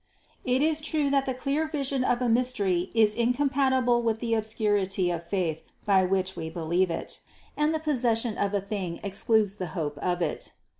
494. It is true that the clear vision of a mystery is in compatible with the obscurity of the faith by which we believe it, and the possession of a thing excludes the hope of it.